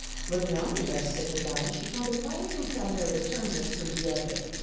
When the omnibus set her down, she found a quiet hotel near the terminus for Dieppe.